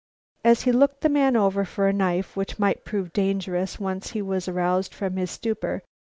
As he looked the man over for a knife which might prove dangerous once he was roused from his stupor.